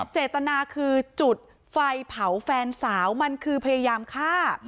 เจตนาคือจุดไฟเผาแฟนสาวมันคือพยายามฆ่า